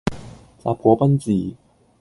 什果賓治